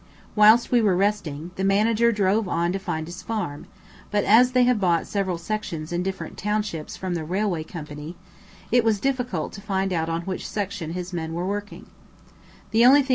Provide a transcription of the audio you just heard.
Whilst we were resting, the Manager drove on to find his farm; but as they have bought several sections in different townships from the railway company, it was difficult to find out on which section his men were working.